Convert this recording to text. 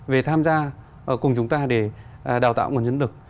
về tham gia cùng chúng ta để đào tạo nguồn nhân lực